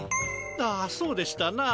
あそうでしたな。